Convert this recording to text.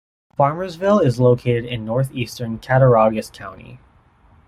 Farmersville is located in northeastern Cattaraugus County.